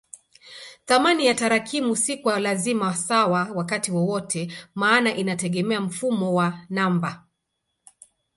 Thamani ya tarakimu si kwa lazima sawa wakati wowote maana inategemea mfumo wa namba.